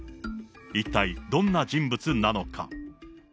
一体どんな人物なのか。